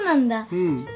うん。